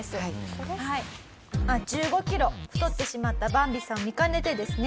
１５キロ太ってしまったバンビさんを見かねてですね